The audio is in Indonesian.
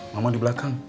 mama di belakang